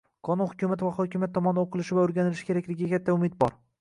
Qonun hukumat va hokimiyat tomonidan o'qilishi va o'rganilishi kerakligiga katta umid bor